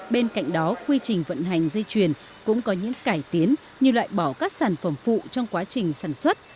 bên cạnh đó quy trình vận hành dây chuyền cũng có những cải tiến như loại bỏ các sản phẩm phụ trong quá trình sản xuất